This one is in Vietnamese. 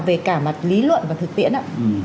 về cả mặt lý luận và thực tiễn ạ